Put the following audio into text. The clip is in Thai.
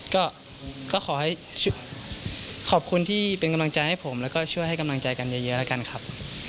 ก็ขอให้ขอบคุณที่เป็นกำลังใจให้ผมแล้วก็ช่วยให้กำลังใจกันเยอะแล้วกันครับ